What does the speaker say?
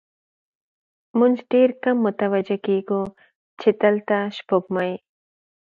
موږ ډېر کم متوجه کېږو، چې دلته سپوږمۍ